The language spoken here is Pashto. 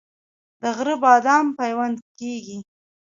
د غره بادام پیوند کیږي؟